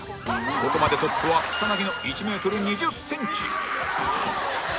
ここまでトップは草薙の１メートル２０センチ